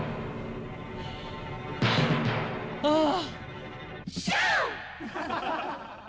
ああ！